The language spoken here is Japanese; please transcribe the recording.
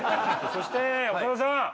そして長田さん！